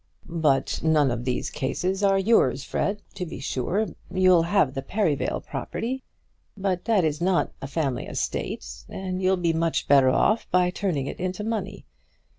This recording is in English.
"But none of these cases are yours, Fred. To be sure you'll have the Perivale property; but that is not a family estate, and you'll be much better off by turning it into money.